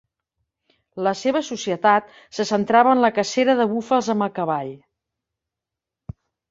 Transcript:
La seva societat se centrava en la cacera de búfals amb el cavall.